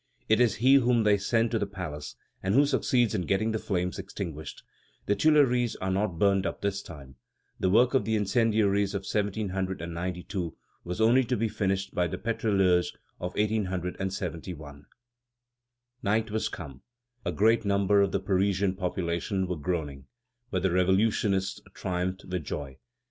It is he whom they send to the palace, and who succeeds in getting the flames extinguished. The Tuileries are not burned up this time. The work of the incendiaries of 1792 was only to be finished by the petroleurs of 1871. Night was come. A great number of the Parisian population were groaning, but the revolutionists triumphed with joy.